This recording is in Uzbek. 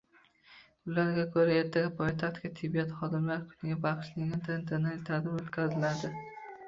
Ularga ko'ra, ertaga poytaxtda tibbiyot xodimlari kuniga bag'ishlangan tantanali tadbir o'tkaziladi